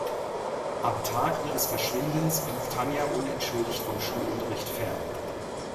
Am Tag ihres Verschwindens blieb Tanya unentschuldigt vom Schulunterricht fern.